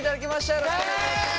よろしくお願いします！